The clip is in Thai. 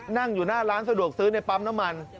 นั่งอยู่หน้าร้านสะดวกซื้อในปั๊มน้ำมัน